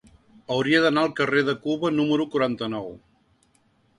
Hauria d'anar al carrer de Cuba número quaranta-nou.